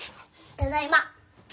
ただいま。